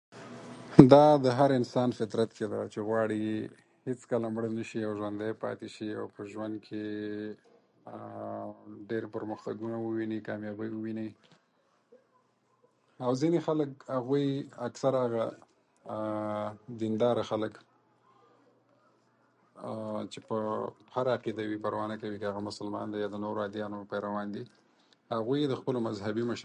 ته يي کولی شې؟